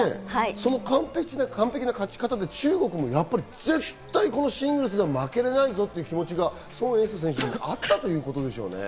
その完璧な勝ち方で中国も、このシングルスで絶対負けられないぞという気持ちがソン・エイサ選手にあったんでしょうね。